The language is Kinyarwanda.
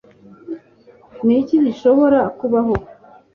Ni iki gishobora kubaho